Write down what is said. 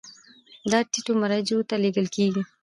دا ټیټو مرجعو ته لیږل کیږي.